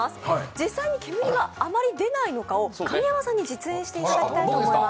実際に煙があまり出ないのかを神山さんに実演していただきたいと思います。